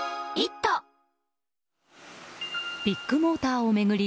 ビッグモーターを巡り